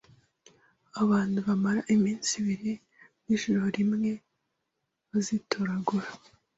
Abantu bamara iminsi ibiri n’ijoro rimwe bazitoragura